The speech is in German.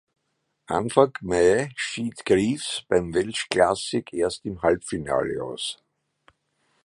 Anfang Mai schied Greaves beim Welsh Classic erst im Halbfinale aus.